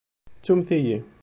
Ttumt-iyi.